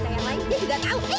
dia juga tahu